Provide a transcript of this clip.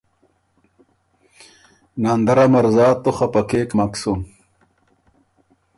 ”ناندرا مرزا! تُو خپه کېک مک سُن